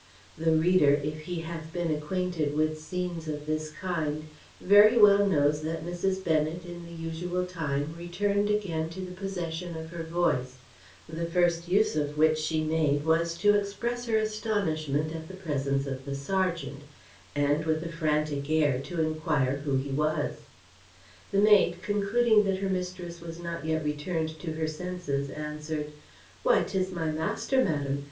The reader, if he hath been acquainted with scenes of this kind, very well knows that Mrs. Bennet, in the usual time, returned again to the possession of her voice: the first use of which she made was to express her astonishment at the presence of the serjeant, and, with a frantic air, to enquire who he was. The maid, concluding that her mistress was not yet returned to her senses, answered, "Why, 'tis my master, madam.